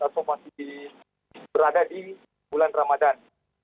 dan also masih berada di bulan ramadhan